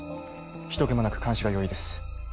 人けもなく監視が容易です